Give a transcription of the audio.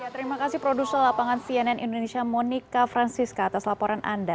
terima kasih produser lapangan cnn indonesia monika francisca atas laporan anda